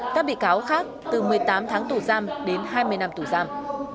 các bị cáo khác từ một mươi tám tháng tù giam đến hai mươi năm tù giam